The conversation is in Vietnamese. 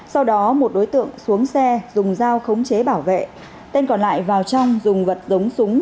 sau đó một đối tượng xuống xe dùng dao khống chế bảo vệ tên còn lại vào trong dùng vật giống súng